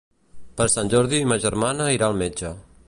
Per Sant Jordi ma germana irà al metge.